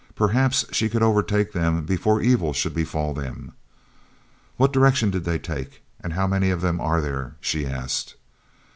Perhaps she could overtake them before evil should befall them. "What direction did they take, and how many of them are there?" she asked.